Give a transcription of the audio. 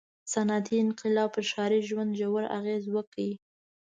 • صنعتي انقلاب پر ښاري ژوند ژوره اغېزه وکړه.